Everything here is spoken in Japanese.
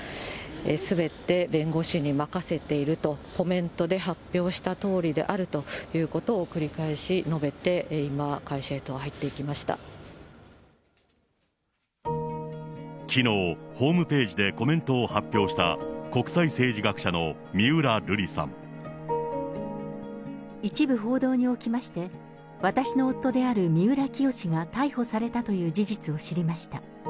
すべて弁護士に任せていると、コメントで発表したとおりであるということを、繰り返し述べて、今、きのう、ホームページでコメントを発表した、一部報道におきまして、私の夫である三浦清志が逮捕されたという事実を知りました。